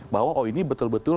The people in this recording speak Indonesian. bahwa oh ini betul betul